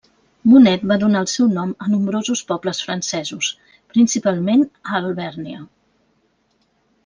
Bonet va donar el seu nom a nombrosos pobles francesos, principalment a Alvèrnia.